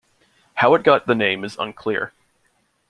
How it got the name is unclear.